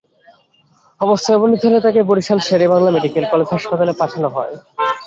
অবস্থার অবনতি হলে তাঁকে বরিশাল শের-ই-বাংলা মেডিকেল কলেজ হাসপাতালে পাঠানো হয়।